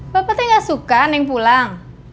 bapak teh gak suka neng pulang